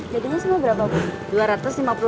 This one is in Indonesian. datingnya semua berapa bu